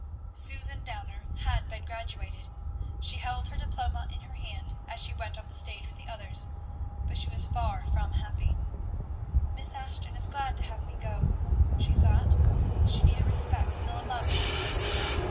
Susan Downer had been graduated. She held her diploma in her hand as she went off the stage with the others, but she was far from happy. "Miss Ashton is glad to have me go," she thought. "She neither respects nor loves me."